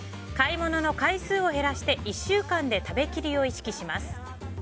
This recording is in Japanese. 買い物の回数を減らして１週間で食べ切りを意識します。